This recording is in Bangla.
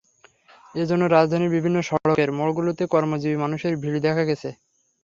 এ জন্য রাজধানীর বিভিন্ন সড়কের মোড়গুলোতে কর্মজীবী মানুষের ভিড় দেখা গেছে।